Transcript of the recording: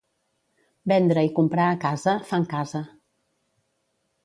Vendre i comprar a casa, fan casa.